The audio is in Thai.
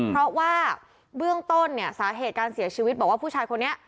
เพราะว่าเบื้องต้นเนี่ยสาเหตุการเสียชีวิตบอกว่าผู้ชายคนนี้